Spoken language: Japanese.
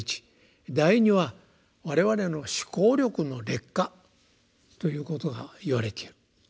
第二は我々の思考力の劣化ということが言われている。